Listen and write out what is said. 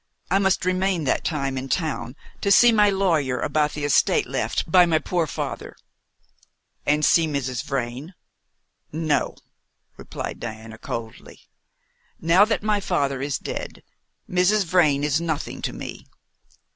I must remain that time in town to see my lawyer about the estate left by my poor father." "And see Mrs. Vrain?" "No," replied Diana coldly. "Now that my father is dead, Mrs. Vrain is nothing to me.